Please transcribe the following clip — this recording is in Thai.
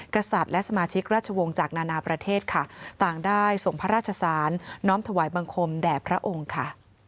กษัตริย์และสมาชิกราชวงศ์จากนานาประเทศค่ะต่างได้ส่งพระราชสารน้อมถวายบังคมแด่พระองค์ค่ะ